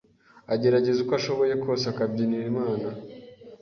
agerageza uko ashoboye kose akabyinira Imana